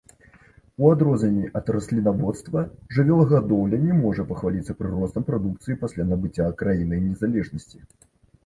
У адрозненні ад раслінаводства, жывёлагадоўля не можа пахваліцца прыростам прадукцыі пасля набыцця краінай незалежнасці.